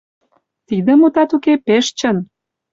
Тиде, мутат уке, пеш чын.